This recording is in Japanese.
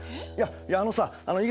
いやいやあのさあ